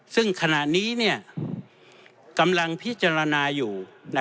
ซึ่งขณะนี้กำลังพิจารณาอยู่